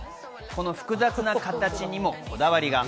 この複雑な形にもこだわりが。